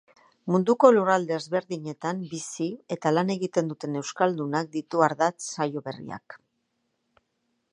Munduko lurralde ezberdinetan bizi eta lan egiten duten euskaldunak ditu ardatz saio berriak.